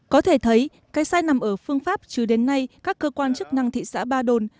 có thể thấy cái sai nằm ở phương pháp chứ đến nay các cơ quan chức năng thị xã ba đồn